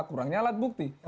kurangnya alat bukti